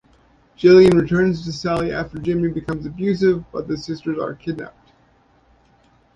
Gillian returns to Sally after Jimmy becomes abusive, but the sisters are kidnapped.